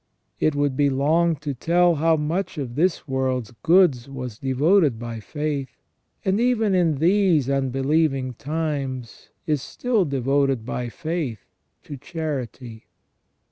It would be long to tell how much of this world's goods was devoted by faith, and even in these unbelieving times is still devoted by faith, to charity.